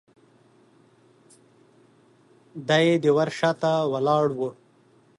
دی د ور شاته ولاړ و.